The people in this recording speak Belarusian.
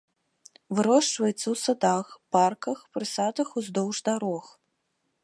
Вырошчваецца ў садах, парках, прысадах уздоўж дарог.